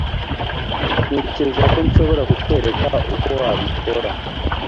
ntekereza ko nshobora kukwereka uko wabikora